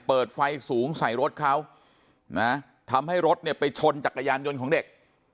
เปิดไฟสูงใส่รถเขานะทำให้รถเนี่ยไปชนจักรยานยนต์ของเด็ก